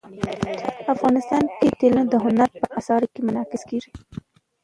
افغانستان کې تالابونه د هنر په اثار کې منعکس کېږي.